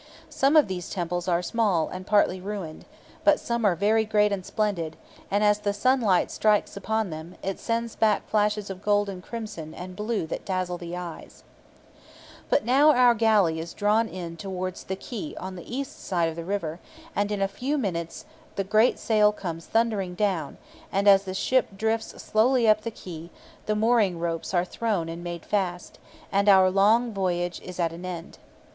Some of these temples are small and partly ruined, but some are very great and splendid; and, as the sunlight strikes upon them, it sends back flashes of gold and crimson and blue that dazzle the eyes. [Illustration: Plate 2 THE GODDESS ISIS DANDLING THE KING. Page 18] But now our galley is drawing in towards the quay on the east side of the river, and in a few minutes the great sail comes thundering down, and, as the ship drifts slowly up to the quay, the mooring ropes are thrown and made fast, and our long voyage is at an end.